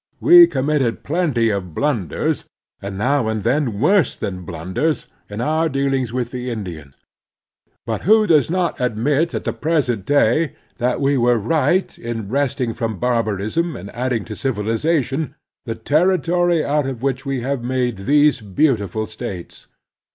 We committed plenty of bltmders, and now and then worse than bltmders, in our dealings with the Indians. But who does not admit at the present day that we were right in wresting from barbarism and adding to civilization the territory out of which we have made these beautiful States?